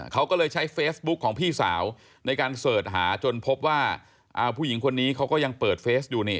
เขาก็เลยใช้เฟซบุ๊กของพี่สาวในการเสิร์ชหาจนพบว่าผู้หญิงคนนี้เขาก็ยังเปิดเฟสอยู่นี่